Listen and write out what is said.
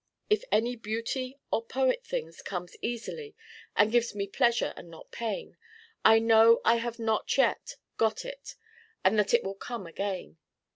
If any beauty or poet thing comes easily and gives me pleasure and not pain, I know I have not yet got it and that it will come again.